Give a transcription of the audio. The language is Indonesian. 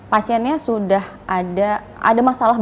pasiennya sudah ada